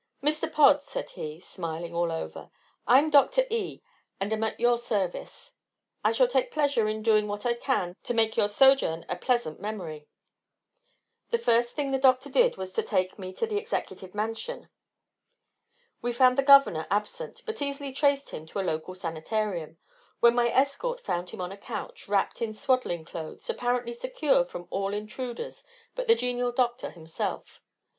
"Mr. Pod," said he, smiling all over, "I'm Dr. E and am at your service. I shall take pleasure in doing what I can to make your sojourn a pleasant memory." The first thing the Doctor did was to take me to the Executive Mansion. We found the Governor absent, but easily traced him to a local sanitarium, where my escort found him on a couch, wrapped in swaddling clothes, apparently secure from all intruders but the genial Doctor himself.